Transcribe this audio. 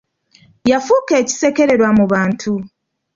Yafuuka ekisekererwa mu bantu.